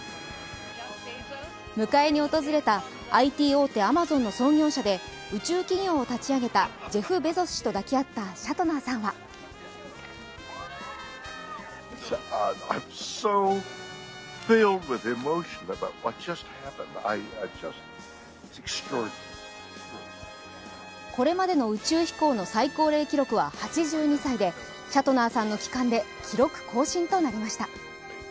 迎えに訪れたＩＴ大手アマゾンの創業者で宇宙企業を立ち上げたジェフ・ベゾス氏と抱き合ったシャトナーさんはこれまでの宇宙飛行の最高齢記録は８２歳でシャトナーさんの期間で記録更新となりました。